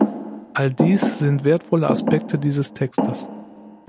All dies sind wertvolle Aspekte dieses Textes.